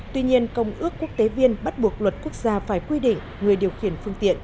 tuy nhiên công ước quốc tế viên bắt buộc luật quốc gia phải quy định người điều khiển phương tiện